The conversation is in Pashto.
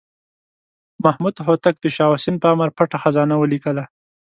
محمد هوتک د شاه حسین په امر پټه خزانه ولیکله.